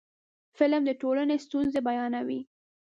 فلم د ټولنې ستونزې بیانوي